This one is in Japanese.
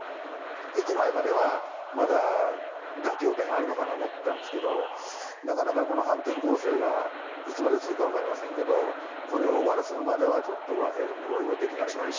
行く前まではまだ妥協点があるのかなと思ってたんですけどなかなか、この反転攻勢がいつまで続くか分かりませんけどこれを終わらせるまでは和平合意はできないかなと。